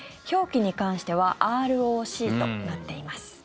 表記に関してはＲＯＣとなっています。